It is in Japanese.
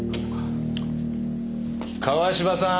川芝さーん。